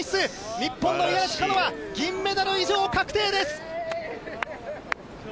日本の五十嵐カノア、銀メダル以上、確定です。